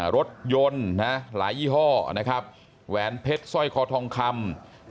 รถยนต์หลายยี่ห้อนะครับแหวนเพชรสร้อยคอทองคำ